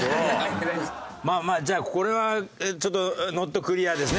まあまあじゃあこれはちょっとノットクリアですね